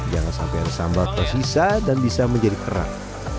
jangan sampai ada sambal tersisa dan bisa menjadi kerang